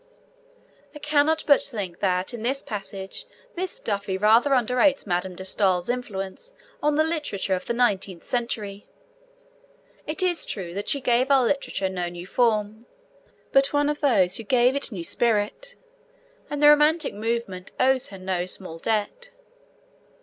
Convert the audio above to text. I cannot but think that in this passage Miss Duffy rather underrates Madame de Stael's influence on the literature of the nineteenth century. It is true that she gave our literature no new form, but she was one of those who gave it a new spirit, and the romantic movement owes her no small debt.